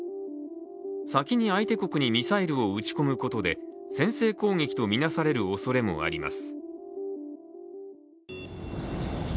先に相手国にミサイルを撃ち込むことで先制攻撃とみなされるおそれもあります。